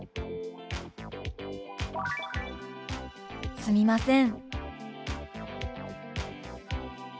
「すみません」。